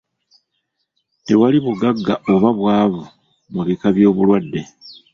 Tewali bugagga oba bwavu mu bika by'obulwadde.